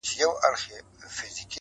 زما په لمن کله د تهمت داغونه نه وم